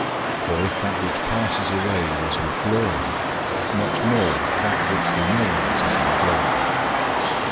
003:011 For if that which passes away was with glory, much more that which remains is in glory.